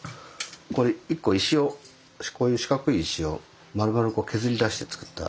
これ１個石をこういう四角い石をまるまる削り出して作ったやつで。